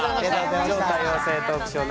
「超多様性トークショー！